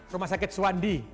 rumah sakit suwandi